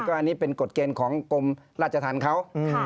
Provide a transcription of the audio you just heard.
อันนี้เป็นกฎเกณฑ์ของกรมราชธรรมเขา